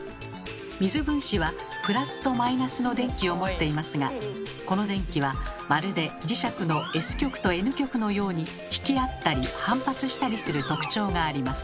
水分子はプラスとマイナスの電気を持っていますがこの電気はまるで磁石のＳ極とＮ極のように引き合ったり反発したりする特徴があります。